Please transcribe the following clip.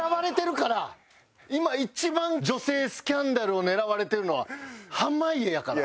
今一番女性スキャンダルを狙われてるのは濱家やから。